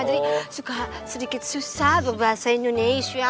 jadi suka sedikit susah berbahasa indonesia